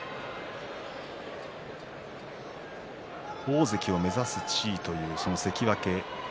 大関を目指す地位という関脇。